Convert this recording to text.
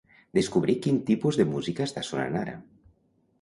Descobrir quin tipus de música està sonant ara.